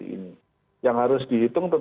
tapi di sisi lain ada kondisi yang sangat berat